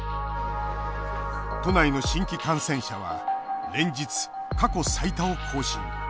都内の新規感染者は連日、過去最多を更新。